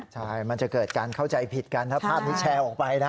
ใช่มันจะเกิดการเข้าใจผิดกันถ้าภาพนี้แชร์ออกไปนะ